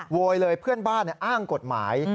โวยเลยเพื่อนบ้านอ้างกฎหมาย